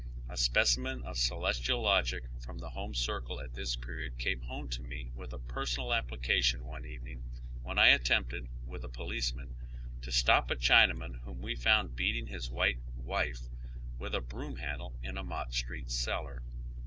A specimen of celestial logic from the home circle at this period came home to me with a personal application one evening when I attempted, with a policeman, to stop a Chinaman whom we fonnd beating his white "wife" with a broom handle in a Mott Street cellar.